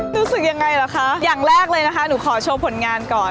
รู้สึกยังไงเหรอคะอย่างแรกเลยนะคะหนูขอโชว์ผลงานก่อน